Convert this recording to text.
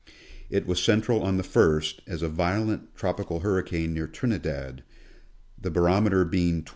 It was central on the 1st, as a violent tropical hurricane near Trinidad, the barometer being 29.